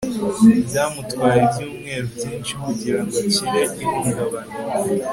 byamutwaye ibyumweru byinshi kugirango akire ihungabana